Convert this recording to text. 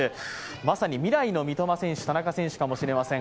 まさに未来の三笘選手、田中選手かもしれません。